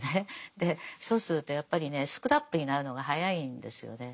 でそうするとやっぱりねスクラップになるのが早いんですよね。